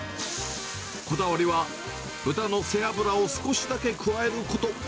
こだわりは、豚の背脂を少しだけ加えること。